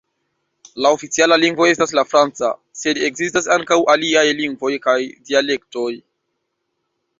La oficiala lingvo estas la franca, sed ekzistas ankaŭ aliaj lingvoj kaj dialektoj.